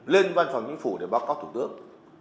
lên văn phòng chính phủ để báo cáo thủ tướng